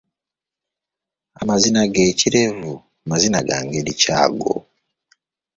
Amazina g’ekirevu mazina ga ngeri ki ago?